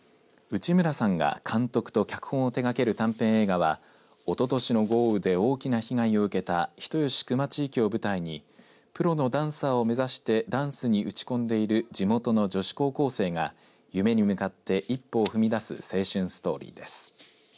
内村さんが監督と脚本を手がける短編映画はおととしの豪雨で大きな被害を受けた人吉球磨地域を舞台にプロのダンサーを目指してダンスに打ち込んでいる地元の女子高校生が夢に向かって一歩を踏み出す青春ストーリーです。